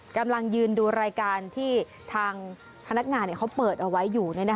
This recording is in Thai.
กำลังยืนดูรายการที่ทางพนักงานเขาเปิดเอาไว้อยู่